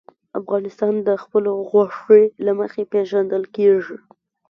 افغانستان د خپلو غوښې له مخې پېژندل کېږي.